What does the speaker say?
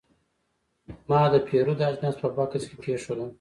ما د پیرود اجناس په بکس کې کېښودل.